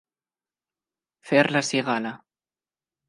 Fer la cigala.